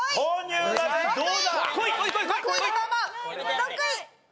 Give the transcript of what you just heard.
６位！